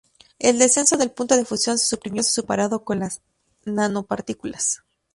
El descenso del punto de fusión se suprimió comparado con las nanopartículas.